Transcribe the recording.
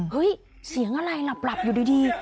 เฮ้ยเสียงอะไรหลับอยู่ดี